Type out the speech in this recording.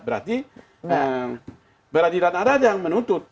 berarti peradilan ada yang menuntut